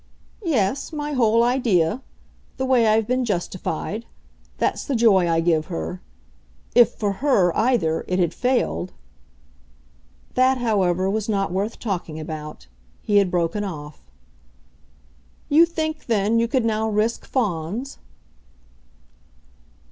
"Yes my whole idea. The way I've been justified. That's the joy I give her. If for HER, either, it had failed !" That, however, was not worth talking about; he had broken off. "You think then you could now risk Fawns?"